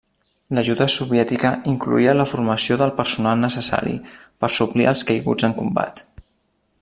L'ajuda soviètica incloïa la formació del personal necessari per suplir als caiguts en combat.